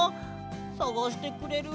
さがしてくれる？